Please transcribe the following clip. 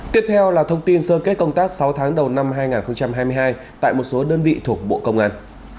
tiếp theo là thông tin sơ kết công tác sáu tháng đầu năm hai nghìn hai mươi hai tại một số đơn vị thuộc bộ công an